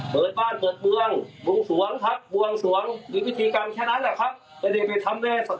ผมเลิกแล้ว๊ะครับผิดกฎหมายตรงไหนล่ะครับ